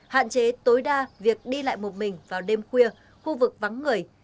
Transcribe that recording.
hạn chế tối đa việc đi lại một mình vào đêm khuya khu vực vắng người